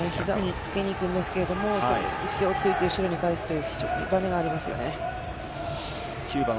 つきに行くんですが意表を突いて後ろに返すという非常にばねがありますよね。